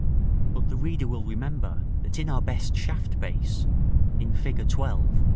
But the reader will remember that in our best shaft base, in Fig. XII. (p.